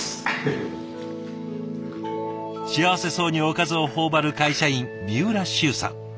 幸せそうにおかずを頬張る会社員三浦周さん。